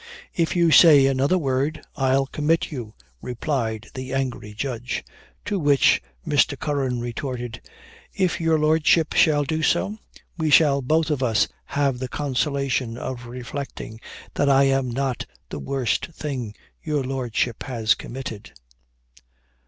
"If you say another word, I'll commit you," replied the angry Judge; to which Mr. C. retorted, "If your Lordship shall do so, we shall both of us have the consolation of reflecting, that I am not the worst thing your Lordship has committed."